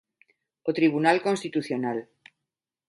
O Tribunal Constitucional.